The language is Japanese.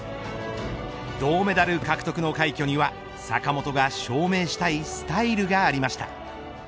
銅メダル獲得の快挙には坂本が証明したいスタイルがありました。